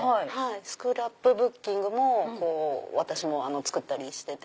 スクラップブッキングも私も作ったりしてて。